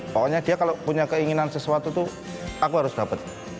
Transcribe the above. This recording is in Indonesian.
pokoknya dia kalau punya keinginan sesuatu itu aku harus dapat